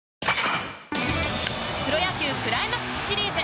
プロ野球クライマックスシリーズ。